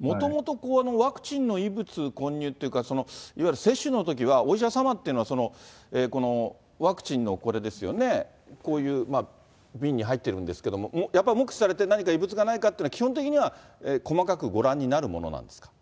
もともとワクチンの異物混入っていうか、いわゆる接種のときは、お医者さまっていうのはワクチンのこれですよね、こういう瓶に入っているんですけども、やっぱり目視されて、何か異物がないかっていうのは、基本的には細かくご覧になるものなんですか？